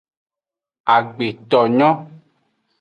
Agbetonyo.